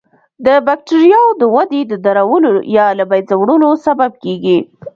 د بکټریاوو د ودې د درولو یا له منځه وړلو سبب کیږي.